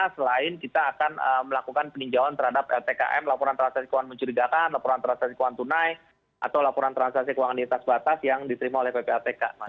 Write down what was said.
selain kita akan melakukan peninjauan terhadap ltkm laporan transaksi keuangan mencurigakan laporan transaksi keuangan tunai atau laporan transaksi keuangan di atas batas yang diterima oleh ppatk